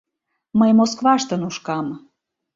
Мый Москваште нушкам.